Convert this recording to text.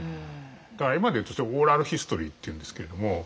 だから今でいうとオーラルヒストリーっていうんですけれども。